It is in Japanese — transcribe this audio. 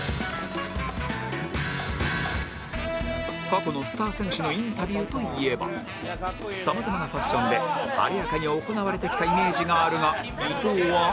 過去のスター選手のインタビューといえばさまざまなファッションであでやかに行われてきたイメージがあるが伊東は